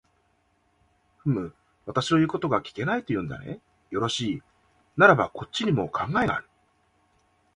ふむ、私の言うことが聞けないと言うんだね。よろしい、ならばこっちにも考えがある。